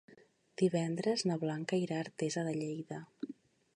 Divendres na Blanca irà a Artesa de Lleida.